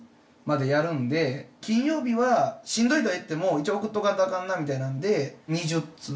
金曜日はしんどいとは言っても一応送っとかんとあかんなみたいなんで２０通。